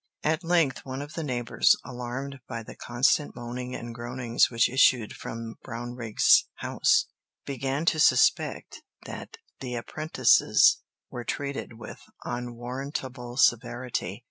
At length one of the neighbours, alarmed by the constant moaning and groanings which issued from Brownrigg's house, began to suspect that "the apprentices were treated with unwarrantable severity."